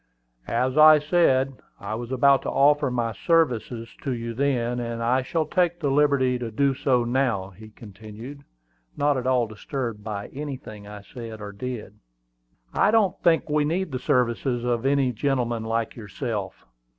"As I said, I was about to offer my services to you then; and I shall take the liberty to do so now," he continued, not at all disturbed by anything I said or did. "I don't think we need the services of any gentleman like yourself."